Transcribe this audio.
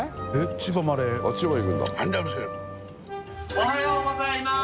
おはようございます。